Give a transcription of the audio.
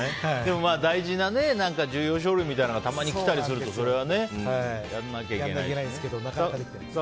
大事な重要書類みたいなのがたまに来たりするとそれはやらなきゃいけないよね。